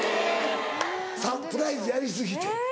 サプライズやり過ぎて。